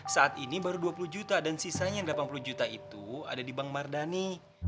saat ini baru dua puluh juta dan sisanya yang delapan puluh juta itu ada di bang mardhani